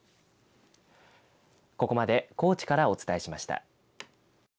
ここまで高知からお伝えしました。